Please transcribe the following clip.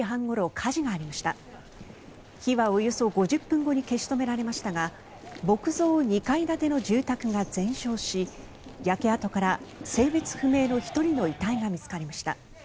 火はおよそ５０分後に消し止められましたが木造２階建ての住宅が全焼し焼け跡から性別不明の１人の遺体が見つかりました。